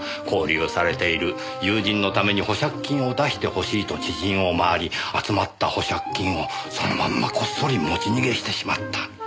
拘留されている友人のために保釈金を出してほしいと知人を回り集まった保釈金をそのまんまこっそり持ち逃げしてしまった。